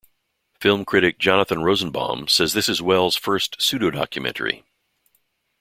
Film critic Jonathan Rosenbaum says this is Welles' first pseudo-documentary.